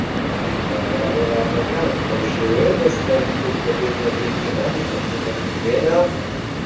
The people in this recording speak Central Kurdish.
ئایا ئێرانییەکان بەو شێوەیە دەستیان کورت دەبێت لە پێکهێنانی حکوومەتی نوێدا؟